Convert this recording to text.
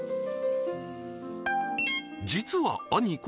実は兄昴